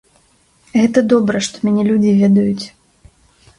Гэта добра, што мяне людзі ведаюць.